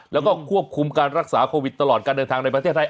แล้วก็ควบคุมการรักษาโควิดตลอดการเดินทางในประเทศไทย